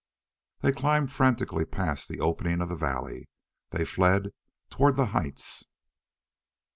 They climbed frantically past the opening of the valley. They fled toward the heights.